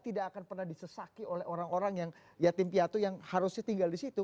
tidak akan pernah disesaki oleh orang orang yang yatim piatu yang harusnya tinggal di situ